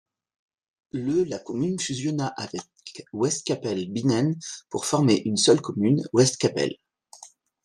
Le la commune fusionna avec Westkapelle-Binnen pour former une seule commune Westkapelle.